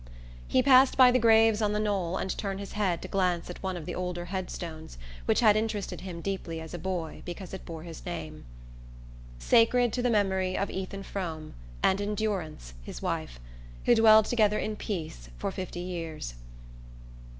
He passed by the graves on the knoll and turned his head to glance at one of the older headstones, which had interested him deeply as a boy because it bore his name. SACRED TO THE MEMORY OF ETHAN FROME AND ENDURANCE HIS WIFE, WHO DWELLED TOGETHER IN PEACE FOR FIFTY YEARS.